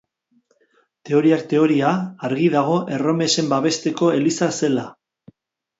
Teoriak teoria, argi dago erromesen babesteko eliza zela.